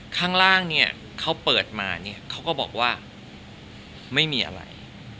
ข้างล่างเนี่ยเขาเปิดมาเนี่ยเขาก็บอกว่าไม่มีอะไร